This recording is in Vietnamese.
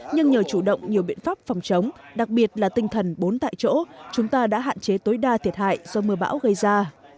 nhưng nhờ chủ động nhiều biện pháp phòng chống đặc biệt là tinh thần bốn tại chỗ chúng ta đã hạn chế tối đa thiệt hại do mưa bão gây ra